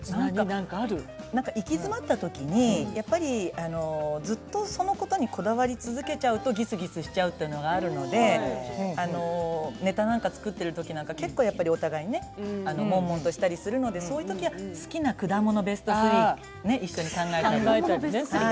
行き詰まったときにずっとそのことにこだわり続けちゃうとぎすぎすしちゃうというのがあるのでネタなんか作っているときなんか結構お互い、もんもんとしたりするので、そういうときは好きな果物ベスト３を一緒に考えたり。